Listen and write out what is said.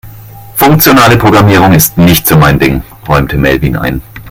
"Funktionale Programmierung ist nicht so mein Ding", räumte Melvin ein.